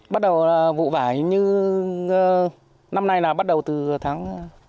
bắt đầu là vụ vải như năm nay là bắt đầu từ tháng